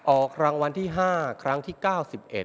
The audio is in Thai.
ออกรางวันที่ห้าครั้งที่เก้าสิบเอ็ด